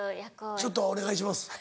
ちょっとお願いします。